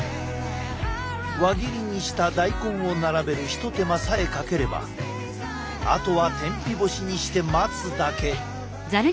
輪切りにした大根を並べる一手間さえかければあとは天日干しにして待つだけ。